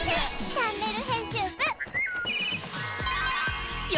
チャンネル編集部へ！